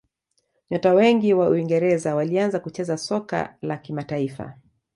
nyota wengi wa uingereza walianza kucheza soka la kimataifa